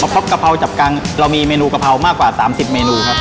ป๊อปกะเพราจับกั้งเรามีเมนูกะเพรามากกว่าสามสิบเมนูครับ